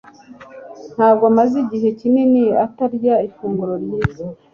ntabwo amaze igihe kinini atarya ifunguro ryiza